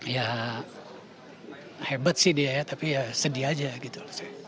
ya hebat sih dia ya tapi ya sedih aja gitu